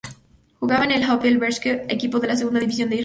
Jugaba en el Hapoel Beersheba, equipo de la Segunda división de Israel.